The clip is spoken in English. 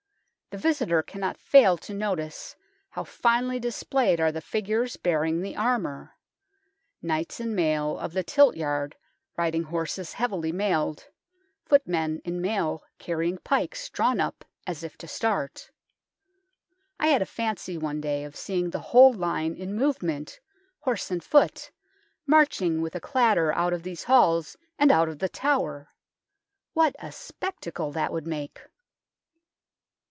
The visitor cannot fail to notice how finely displayed are the figures bearing the armour ; knights in mail of the tilt yard riding horses heavily mailed, footmen in mail carrying pikes, drawn up as if to start. I had a fancy one day of seeing the whole line in movement, horse and foot, marching with a clatter out of these halls and out of The Tower. What a spectacle that would make